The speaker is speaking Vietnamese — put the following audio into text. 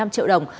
bảy năm triệu đồng